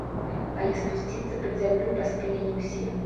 Але спусціцца пад зямлю паспелі не ўсе.